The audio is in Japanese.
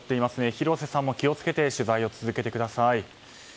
広瀬さんも気を付けて取材を続けてください。